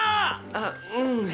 あっうん。